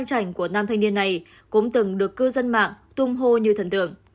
các ngành khoe cuộc sống giàu giang này cũng từng được cư dân mạng tung hô như thần tượng